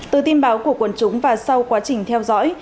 từ tin báo của quần chúng và sau quá trình theo dõi